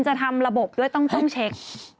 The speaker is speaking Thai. จะทำระบบด้วยต้องเช็ค